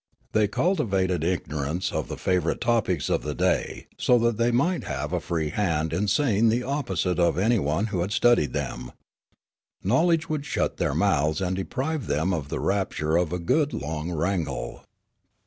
They cultivated ignorance of the favourite topics of the day so that they might have a free hand in saying the opposite of anyone who had studied them. Knowledge would shut their mouths and deprive them of the rapture of a good long wrangle.